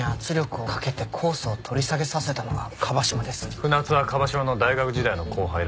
船津は椛島の大学時代の後輩だ。